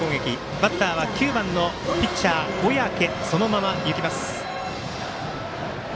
バッターは９番のピッチャー小宅、そのままいきます。